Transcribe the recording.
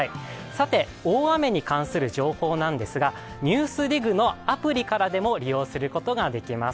さて大雨に関する情報なんですがＮＥＷＳＤＩＧのアプリからでも利用することができます。